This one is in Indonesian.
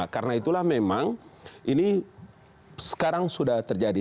karena itulah memang ini sekarang sudah terjadi